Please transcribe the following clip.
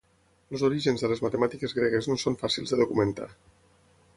Els orígens de les matemàtiques gregues no són fàcils de documentar.